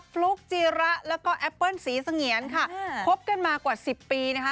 ฟลุ๊กจีระแล้วก็แอปเปิ้ลศรีเสงียนค่ะคบกันมากว่าสิบปีนะคะ